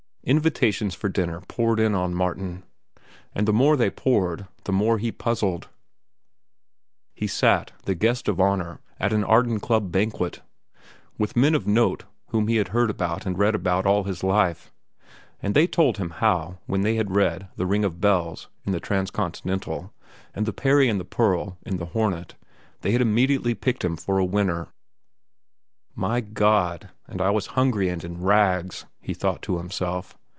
Invitations to dinner poured in on Martin; and the more they poured, the more he puzzled. He sat, the guest of honor, at an Arden Club banquet, with men of note whom he had heard about and read about all his life; and they told him how, when they had read "The Ring of Bells" in the Transcontinental, and "The Peri and the Pearl" in The Hornet, they had immediately picked him for a winner. My God! and I was hungry and in rags, he thought to himself.